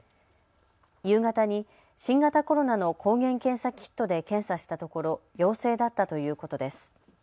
夕方に新型コロナの抗原検査キットで検査したところ陽性だったということです。